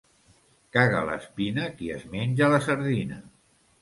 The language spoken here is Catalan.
Caga l'espina qui es menja la sardina.